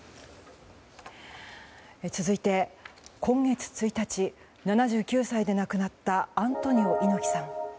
続いて、今月１日７９歳で亡くなったアントニオ猪木さん。